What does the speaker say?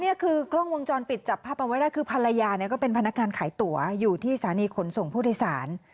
นี่คือกล้องวงจรปิดจับภาพเอาไว้ได้คือภรรยาเนี่ยก็เป็นพนักงานขายตั๋วอยู่ที่สถานีขนส่งผู้โดยสาร